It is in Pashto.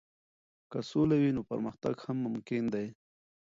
که سوله وي، نو پرمختګ هم ممکن دی.